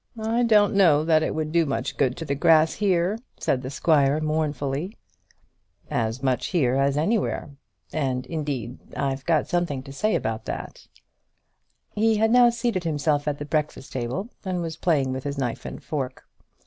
"I don't know that it would do much good to the grass here," said the squire, mournfully. "As much here as anywhere. And indeed I've got something to say about that." He had now seated himself at the breakfast table, and was playing with his knife and fork.